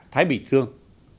thái bình thương